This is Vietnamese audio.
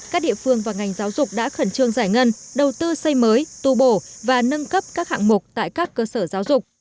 các địa phương và ngành giáo dục đã khẩn trương giải ngân đầu tư xây mới tu bổ và nâng cấp các hạng mục tại các cơ sở giáo dục